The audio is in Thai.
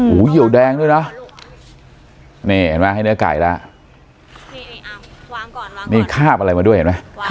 หูเยี่ยวแดงด้วยเนาะนี่เห็นมั้ยให้เนื้อไก่ละนี่ข้าบอะไรมาด้วยเห็นมั้ย